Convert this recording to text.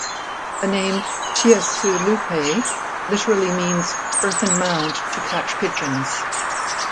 The name "Tia Seu Lupe" literally means "earthen mound to catch pigeons".